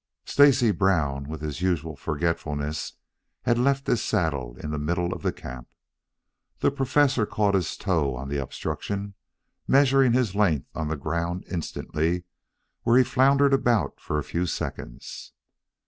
Stacy Brown, with his usual forgetfulness, had left his saddle in the middle of the camp. The Professor caught his toe on the obstruction, measuring his length on the ground instantly, where he floundered about for a few seconds.